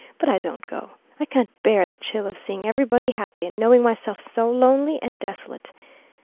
But I don't go. I can't bear the chill of seeing everybody happy, and knowing myself so lonely and desolate.